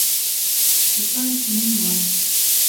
Тудлан тунемман.